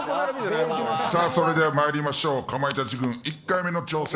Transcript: それではまいりましょうかまいたち軍、１回目の挑戦